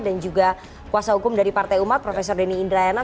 dan juga kuasa hukum dari partai umat profesor denny indrayana